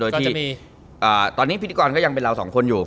โดยที่ตอนนี้พิธีกรก็ยังเป็นเราสองคนอยู่